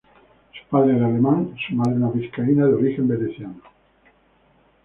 Su padre era alemán, y su madre una vizcaína de origen veneciano.